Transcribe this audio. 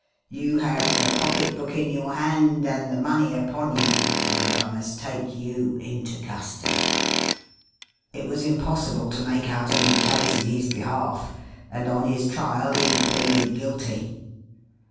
You have the pocketbook in your hand and the money upon you ; and I must take you into custody !'" It was impossible to make out any case in his behalf, and on his trial he pleaded guilty.